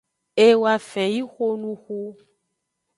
E woafen yi xonuxu.